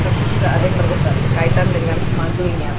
pasti juga ada yang berkaitan dengan sema doing nya